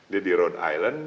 dia di rhode island